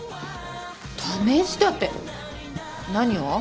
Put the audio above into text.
試したって何を？